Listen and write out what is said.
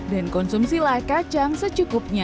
dan konsumsilah kacang secukupnya